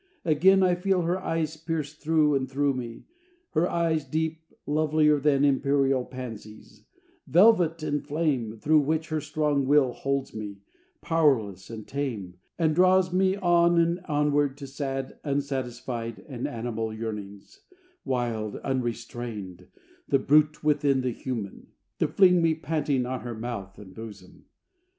Again I feel her eyes pierce through and through me; Her deep eyes, lovelier than imperial pansies, Velvet and flame, through which her strong will holds me, Powerless and tame, and draws me on and onward To sad, unsatisfied and animal yearnings, Wild, unrestrained the brute within the human To fling me panting on her mouth and bosom.